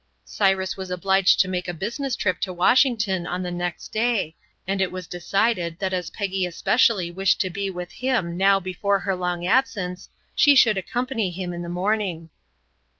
Cyrus was obliged to make a business trip to Washington on the next day, and it was decided that as Peggy especially wished to be with him now before her long absence, she should accompany him in the morning.